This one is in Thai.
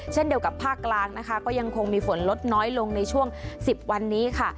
เช่นเดียวกับภาคกลางนะคะก็ยังคงมีฝนลดน้อยลงในช่วง๑๐วันนี้ค่ะ